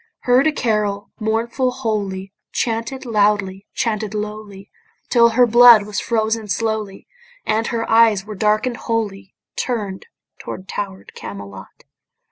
Heard a carol, mournful, holy, Chanted loudly, chanted lowly, Till her blood was frozen slowly, And her eyes were darken'd wholly, Turn'd to tower'd Camelot.